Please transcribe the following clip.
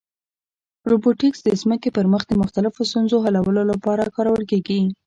روبوټیکس د ځمکې پر مخ د مختلفو ستونزو حلولو لپاره کارول کېږي.